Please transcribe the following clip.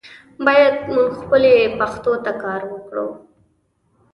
باید مونږ خپلې پښتو ته کار وکړو.